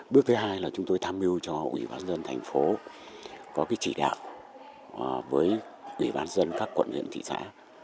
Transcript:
bước thứ hai là chúng tôi tham mưu cho quỷ văn dân thành phố có chỉ đạo với quỷ văn dân các quận huyện thị xã